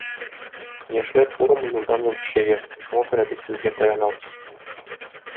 Яшьләр форумы елдан-ел көчәя, шуңа күрә без сезгә таянабыз.